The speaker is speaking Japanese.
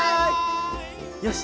よし！